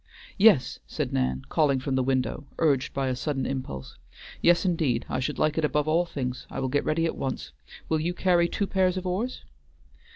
"Yes," said Nan, calling from the window, urged by a sudden impulse. "Yes indeed, I should like it above all things; I will get ready at once; will you carry two pairs of oars?"